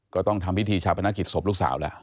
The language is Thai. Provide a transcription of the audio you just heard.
ก็ต้องทำพิธีชาปนกิจศพลูกสาวแล้ว